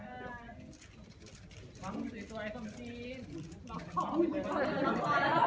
ลองขอของชุดเก็ต